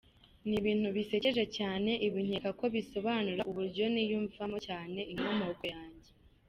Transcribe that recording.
Ni ibintu bisekeje cyane! Ibi nkeka ko bisobanura uburyo niyumvamo cyane inkomoko yanjye.